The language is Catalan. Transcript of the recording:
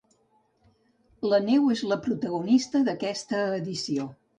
La neu és la protagonista d'aquesta edició.